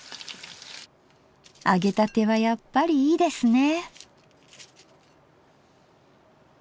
揚げたてはやっぱりいいですね。